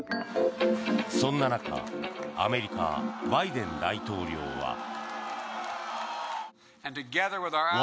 そんな中アメリカ、バイデン大統領は。